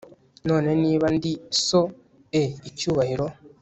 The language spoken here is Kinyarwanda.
None niba ndi so e icyubahiro